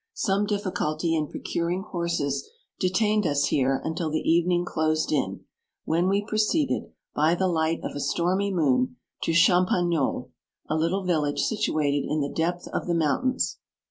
Some difficulty in procuring horses de tained us here until the evening closed in, when we proceeded, by the light of a stormy moon, to Champagnolles, a little villagefsituated in the depth of the mountains.